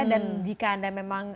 dan jika anda memang